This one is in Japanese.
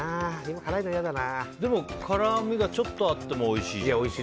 辛みがちょっとあってもおいしいじゃん。